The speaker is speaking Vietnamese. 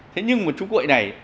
thế nhưng một chú quệ này